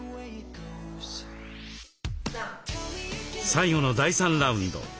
最後の第３ラウンド。